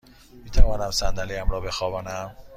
می توانم صندلی ام را بخوابانم؟